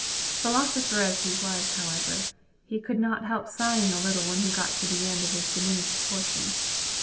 Philosopher as he was, however, he could not help sighing a little when he got to the end of his diminished portion.